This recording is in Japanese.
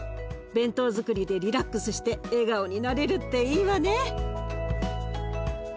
弁当づくりでリラックスして笑顔になれるっていいわね。